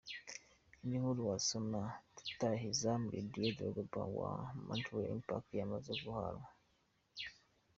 Indi nkuru wasoma: Rutahizamu Didier Drogba wa Montreal Impact yamaze guhanwa!.